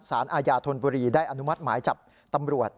อาญาธนบุรีได้อนุมัติหมายจับตำรวจ